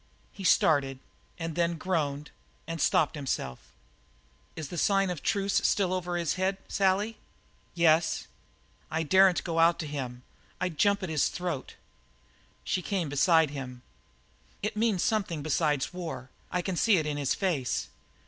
He started, and then groaned and stopped himself. "Is the sign of the truce still over his head, Sally?" "Yes." "I daren't go out to him I'd jump at his throat." She came beside him. "It means something besides war. I can see it in his face.